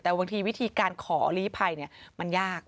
แต่บางทีวิธีการขอลีภัยมันยาก